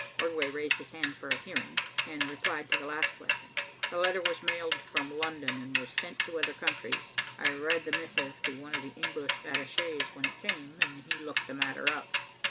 Ordway raised his hand for a hearing and replied to the last question. "The letter was mailed from London, and was sent to other countries. I read the missive to one of the English attachés when it came, and he looked the matter up.